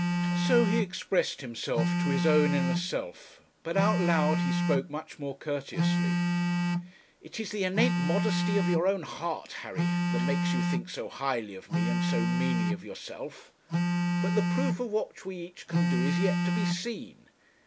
So he expressed himself to his own inner self; but out loud he spoke much more courteously. 'It is the innate modesty of your own heart, Harry, that makes you think so highly of me and so meanly of yourself. But the proof of what we each can do is yet to be seen.